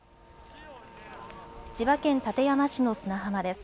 千葉県館山市の砂浜です。